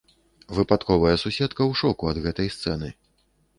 Выпадковая суседка ў шоку ад гэтай сцэны.